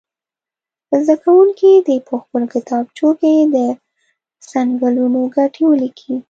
زده کوونکي دې په خپلو کتابچو کې د څنګلونو ګټې ولیکي.